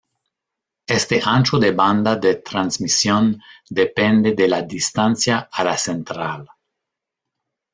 Este ancho de banda de transmisión depende de la distancia a la central.